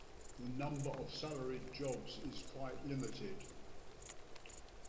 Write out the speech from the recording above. The number of salaried jobs is quite limited.